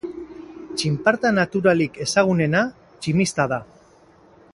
Txinparta naturalik ezagunena tximista da.